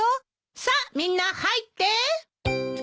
さあみんな入って！